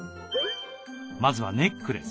まずはネックレス。